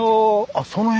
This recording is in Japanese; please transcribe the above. あっその辺。